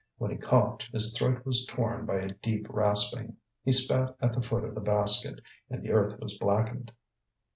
When he coughed his throat was torn by a deep rasping; he spat at the foot of the basket and the earth was blackened.